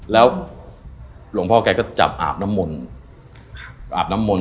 แล้วหลวงพ่อใก็ก็กได้อาบน้ำมนต์